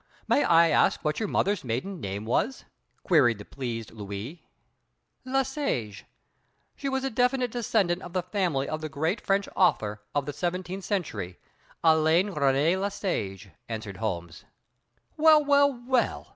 May I ask what your mother's maiden name was?" queried the pleased Louis. "Le Sage. She was a direct descendant of the family of the great French author of the seventeenth century, Alain René Le Sage," answered Holmes. "Well, well, well!